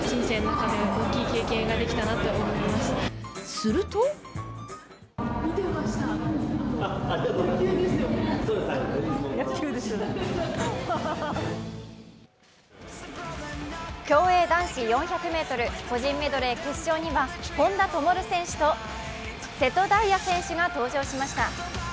すると競泳男子４００ｍ個人メドレー決勝には本多灯選手と瀬戸大也選手が登場しました。